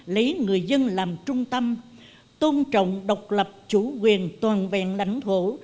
lấy người dân làm trung tâm tôn trọng độc lập chủ quyền toàn vẹn lãnh thổ